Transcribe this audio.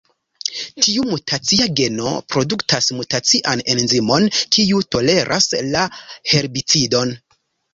Tiu mutacia geno produktas mutacian enzimon, kiu toleras la herbicidon.